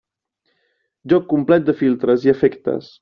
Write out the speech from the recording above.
Joc complet de filtres i efectes.